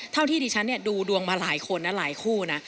เท่าที่ดิฉันดูดวงมาหลายคนนะหลายคู่นะ